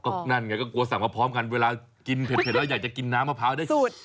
ก็นั่นไงก็กลัวสั่งมาพร้อมกันเวลากินเผ็ดแล้วอยากจะกินน้ำมะพร้าวได้สูตร